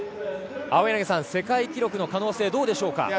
世界記録の可能性どうでしょうか。